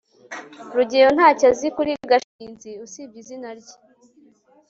rugeyo ntacyo azi kuri gashinzi, usibye izina rye